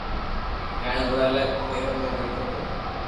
جڻي اووي الگ گھر ۾ رھتو تو